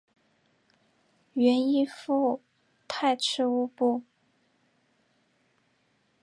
原依附泰赤乌部。